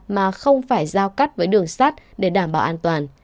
mà không phải giao cắt với đường sát để đảm bảo an toàn